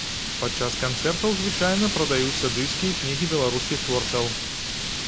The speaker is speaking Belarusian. Падчас канцэртаў звычайна прадаюцца дыскі і кнігі беларускіх творцаў.